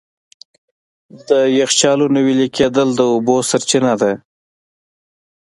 د یخچالونو وېلې کېدل د اوبو سرچینه ده.